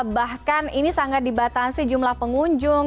bahkan ini sangat dibatasi jumlah pengunjung